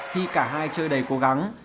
khi cả hai chơi đầy cố gắng